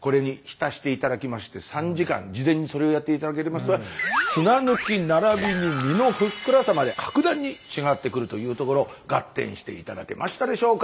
これに浸して頂きまして３時間事前にそれをやって頂けますと砂抜きならびに身のふっくらさまで格段に違ってくるというところガッテンして頂けましたでしょうか？